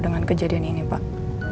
dengan kejadian ini pak